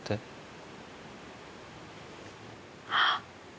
あっ！